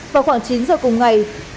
và khoảng chín giờ cùng ngày